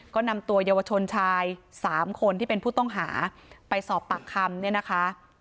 ก็นำตัวเยาวชนชายสามคนที่เป็นผู้ต้องหาไปสอบปากคำเนี่ยนะคะ